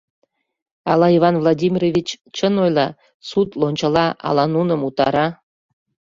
Ала Иван Владимирович чын ойла, суд лончыла, ала нуным утара.